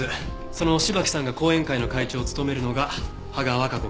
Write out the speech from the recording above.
その芝木さんが後援会の会長を務めるのが芳賀和香子